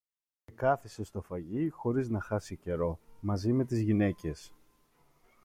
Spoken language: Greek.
Και κάθισε στο φαγί, χωρίς να χάσει καιρό, μαζί με τις γυναίκες